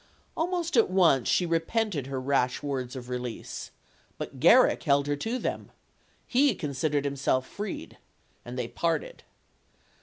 Almost at once she repented her rash words of re lease. But Garrick held her to them. He considered himself freed. And they parted.